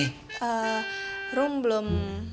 eh rum belum